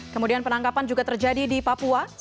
kemudian penangkapan juga terjadi di papua